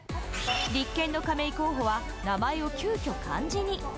立憲の亀井候補は、名前を急きょ漢字に。